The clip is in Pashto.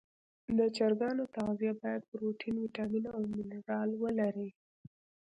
د چرګانو تغذیه باید پروټین، ویټامین او منرال ولري.